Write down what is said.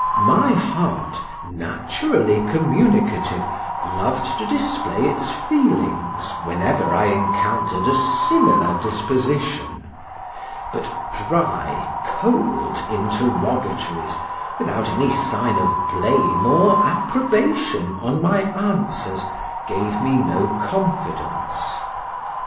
My heart, naturally communicative, loved to display its feelings, whenever I encountered a similar disposition; but dry, cold interrogatories, without any sign of blame or approbation on my answers, gave me no confidence.